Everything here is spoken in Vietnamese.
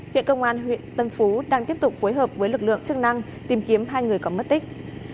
hiện công an huyện tân phú đang tiếp tục phối hợp với lực lượng chức năng tìm kiếm hai người có mất tích